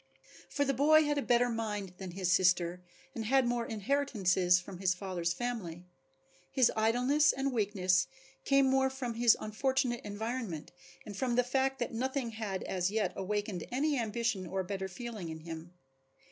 For the boy had a better mind than his sister and had more inheritances from his father's family. His idleness and weakness came more from his unfortunate environment and from the fact that nothing had as yet awakened any ambition or better feeling in him.